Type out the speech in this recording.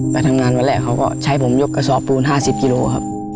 ไปทำงานวันแรกเขาก็ใช้ผมยกกระสอบปูน๕๐กิโลครับ